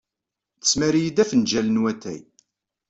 Tesmar-iyi-d afenjal n watay.